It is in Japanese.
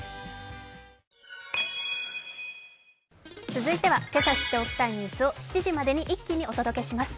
続いてはけさ知っておきたいニュースを７時までに一気にお届けします。